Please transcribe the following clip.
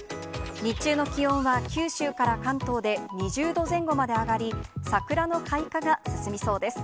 日中の気温は、九州から関東で２０度前後まで上がり、桜の開花が進みそうです。